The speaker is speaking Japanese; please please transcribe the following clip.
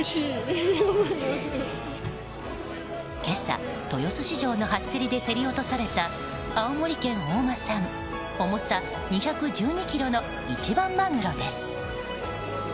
今朝、豊洲市場の初競りで競り落とされた青森県大間産、重さ２１２ｋｇの一番マグロです。